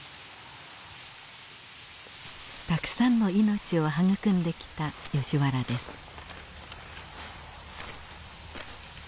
たくさんの命をはぐくんできたヨシ原です。